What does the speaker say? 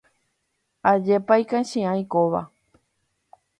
Ajépa ikachiãi kóva.